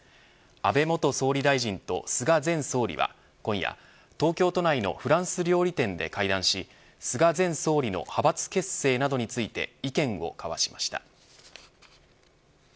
安倍元総理大臣と菅前総理は今夜、東京都内のフランス料理店で会談し菅前総理の派閥結成などについて意見を交わしました。